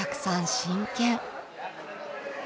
真剣。